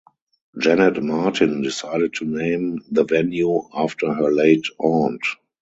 Janet Martin decided to name the venue after her late aunt.